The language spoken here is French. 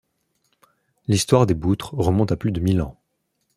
L'histoire des boutres remonte à plus de mille ans.